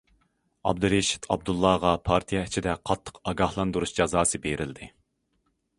ئابدۇرېشىت ئابدۇللاغا پارتىيە ئىچىدە قاتتىق ئاگاھلاندۇرۇش جازاسى بېرىلدى.